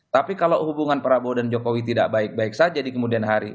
tapi kalau hubungan prabowo dan jokowi tidak baik baik saja di kemudian hari